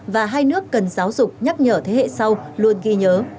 và hai nước cần giáo dục nhắc nhở thế hệ sau luôn ghi nhớ